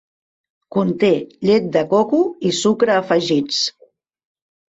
Conté llet de coco i sucre afegits.